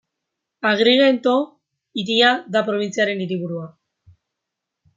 Agrigento hiria da probintziaren hiriburua.